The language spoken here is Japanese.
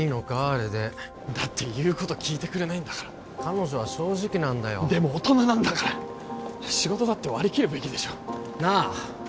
あれでだって言うこと聞いてくれないんだから彼女は正直なんだよでも大人なんだから仕事だって割り切るべきでしょうなあ！